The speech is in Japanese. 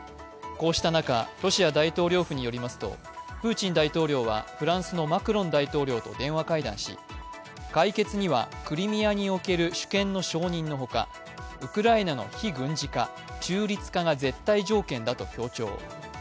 こうした中、ロシア大統領府によりますと、プーチン大統領はフランスのマクロン大統領と電話会談し解決にはクリミアにおける主権の承認の他、ウクライナの非軍事化、中立化が絶対条件だと強調。